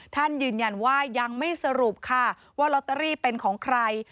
ท่านยืนยันว่ายังไม่สรุปค่ะว่าลอตเตอรี่เป็นของใคร